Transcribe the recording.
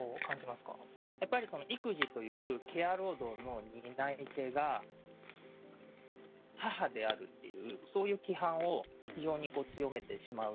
やっぱり育児というケア労働の担い手が母であるっていうそういう規範を非常に強めてしまうと。